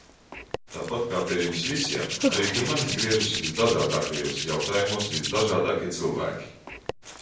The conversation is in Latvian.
Tāpat kā pie jums visiem, arī pie manis griežas visdažādākajos jautājumos visdažādākie cilvēki.